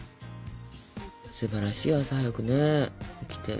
すばらしいよ朝早くね起きて。